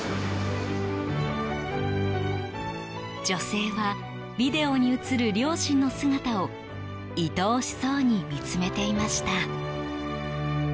女性はビデオに映る両親の姿を愛おしそうに見つめていました。